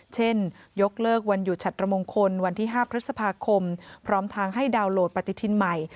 เช่นยกเลิกวันหยุดฉัดระมงคลวันที่๕พฤษภาคมพร้อมทางให้ดาวน์โหลดปฏิทินใหม่